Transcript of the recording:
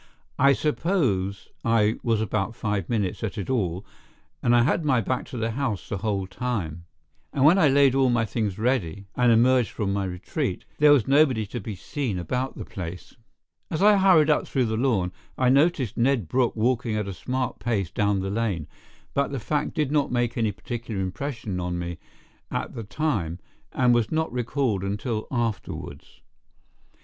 I suppose I was about five minutes at it all and I had my back to the house the whole time, and when I laid all my things ready and emerged from my retreat, there was nobody to be seen about the place. As I hurried up through the lawn, I noticed Ned Brooke walking at a smart pace down the lane, but the fact did not make any particular impression on me at the time, and was not recalled until afterwards.